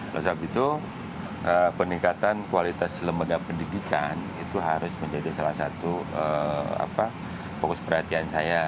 oleh sebab itu peningkatan kualitas lembaga pendidikan itu harus menjadi salah satu fokus perhatian saya